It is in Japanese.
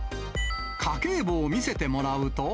家計簿を見せてもらうと。